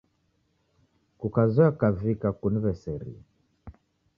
Kukazoya kukavika kuniw'eserie.